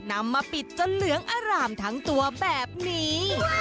นำมาปิดจนเหลืองอร่ามทั้งตัวแบบนี้